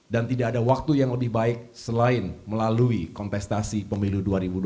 dan tidak ada waktu yang lebih baik selain melalui kontestasi pemilu dua ribu dua puluh empat